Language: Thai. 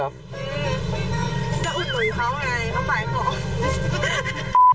จะอุดหนุนเขาไงเขาไปขอ